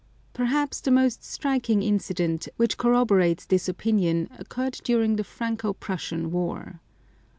Perhaps the most striking incident which corroborates this opinion occurred during the Franco Prussian War.